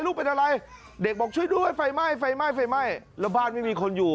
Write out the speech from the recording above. ลูกเป็นอะไรเด็กบอกช่วยด้วยไฟไหม้แล้วบ้านไม่มีคนอยู่